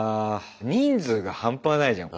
人数が半端ないじゃん